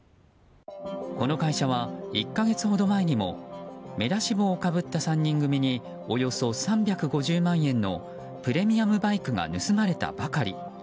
この会社は１か月ほど前にも目出し帽をかぶった３人組におよそ３５０万円のプレミアムバイクが盗まれたばかり。